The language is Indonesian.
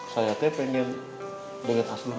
saya teh ingin berkat hasil lain